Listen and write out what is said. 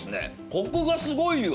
コクがすごいよ！